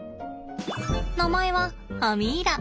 名前はアミ―ラ。